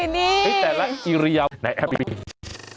นี่แต่ละอิริยาในแอปพลิเคชัน